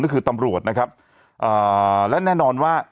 ก็คือตำรวจนะครับอ่าและแน่นอนว่า